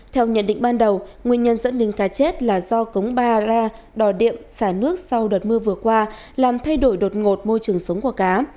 theo nhận định ban đầu nguyên nhân dẫn đến cá chết là do cống ba ra đò điệm xả nước sau đợt mưa vừa qua làm thay đổi đột ngột môi trường sống của cá